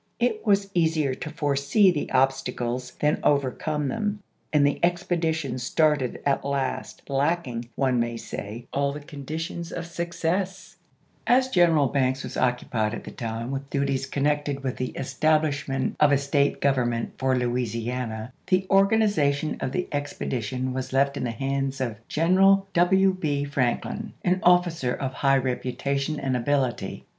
It was easier to foresee the ob stacles than to overcome them, and the expedition started at last, lacking, one may say, all the condi tions of success. GBNEBAL A, J. SMITH. OLUSTEE AND THE RED RIVER 289 As General Banks was occupied at the time with chap.xi. duties connected with the establishment of a State government for Louisiana, the organization of the expedition was left in the hands of Greneral W. B. Franklin, an officer of high reputation and ability.